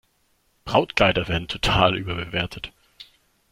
Brautkleider werden total überbewertet.